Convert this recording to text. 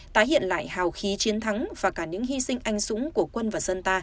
tái hiện lại hào khí chiến thắng và cả những hy sinh anh dũng của quân và dân ta